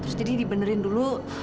terus jadi dibenerin dulu